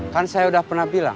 kan saya udah pernah bilang